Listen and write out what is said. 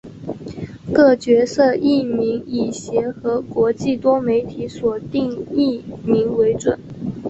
各角色译名以协和国际多媒体所定译名为准。